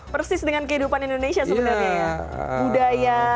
persis dengan kehidupan indonesia sebenarnya ya budaya